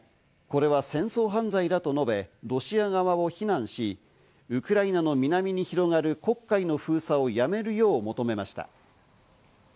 これは戦争犯罪だと述べ、ロシア側を非難し、ウクライナの南に広がる黒海の封鎖をやめるよう求めました。